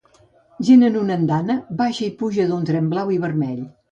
Gent en una andana baixa i puja d'un tren blau i vermell.